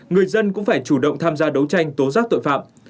người dân cũng phải chủ động tham gia đấu tranh tố giác tội phạm